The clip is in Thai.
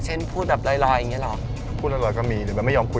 เอ้าแล้วใครงอนคะ